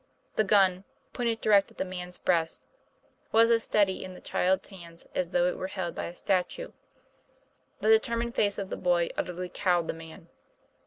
The gun, pointed direct at the man's breast, was as steady in the child's hands as though it were held by a statue. The determined face of the boy utterly cowed the man.